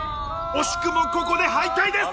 惜しくもここで敗退です。